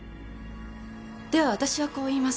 では私はこう言います。